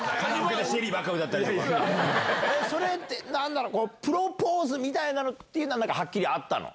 それって、なんだろう、プロポーズみたいなのっていうのはなんかはっきりあったの？